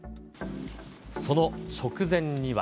その直前には。